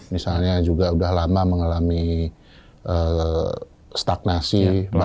misalnya juga sudah lama mengalami stagnasi